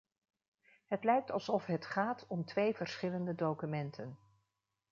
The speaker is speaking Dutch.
Het lijkt alsof het gaat om twee verschillende documenten.